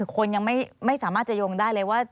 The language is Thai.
คนยังไม่สามารถจะโยงได้เลยว่า